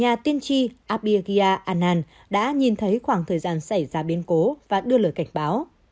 nhà tiên tri abirgya anan đã nhìn thấy khoảng thời gian xảy ra biến cố và đưa lời cảnh báo